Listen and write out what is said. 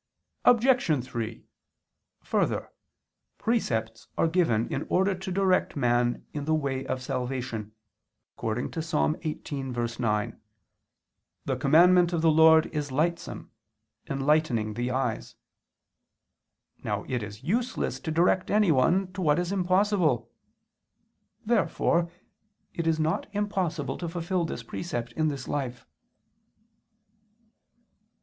Obj. 3: Further, precepts are given in order to direct man in the way of salvation, according to Ps. 18:9: "The commandment of the Lord is lightsome, enlightening the eyes." Now it is useless to direct anyone to what is impossible. Therefore it is not impossible to fulfill this precept in this life.